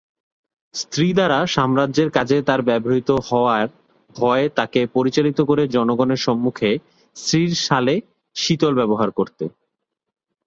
স্ত্রী দ্বারা সাম্রাজ্যের কাজে তার ব্যবহৃত হওয়ার ভয় তাকে পরিচালিত করে জনগণের সম্মুখে স্ত্রীর সালে শীতল ব্যবহার করতে।